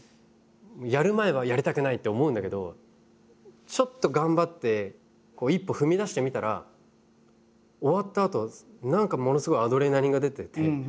やる前はやりたくないって思うんだけどちょっと頑張って一歩踏み出してみたら終わったあと何かものすごいアドレナリンが出てて。